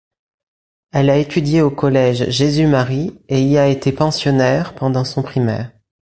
Elle a étudié au collège Jésus-Marie et y a été pensionnaire pendant son primaire.